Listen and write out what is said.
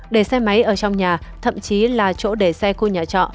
để xe máy ở trong nhà thậm chí là chỗ để xe khu nhà trọ